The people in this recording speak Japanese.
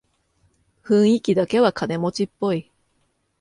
雰囲気だけは金持ちっぽい